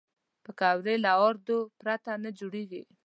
پکورې له آردو پرته نه جوړېږي